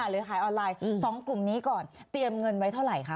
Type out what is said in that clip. หรือขายออนไลน์๒กลุ่มนี้ก่อนเตรียมเงินไว้เท่าไหร่คะ